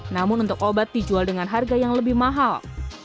namun untuk obat dijual dengan harga yang lebih mahal